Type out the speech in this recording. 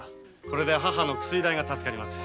これで母の薬代が助かります。